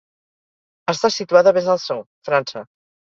Està situada a Besançon, França.